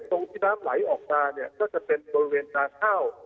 ตรงที่น้ำไหลออกมาเนี่ยก็จะเป็นบริเวณทางเข้า